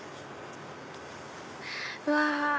うわ！